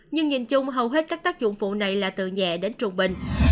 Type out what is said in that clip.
nhưng nhìn chung hầu hết các tác dụng phụ này là từ nhẹ đến trùng bình